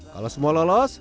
kalau semua lolos